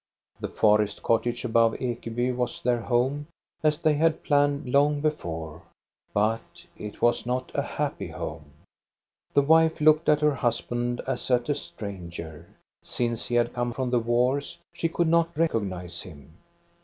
The forest cottage above Ekeby was their home, as they had planned long before ; but it was not a happy home. The wife looked at her husband as at a stranger. Since he had come from the wars, she could not recognize him.